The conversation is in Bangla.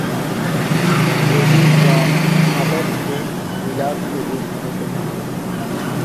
এটির রং সাদা থেকে নীলাভ সবুজ হতে পারে।